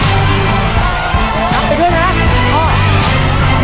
อีกลูกเท่าไหร่